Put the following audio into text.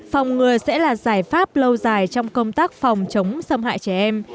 phòng ngừa sẽ là giải pháp lâu dài trong công tác phòng chống xâm hại trẻ em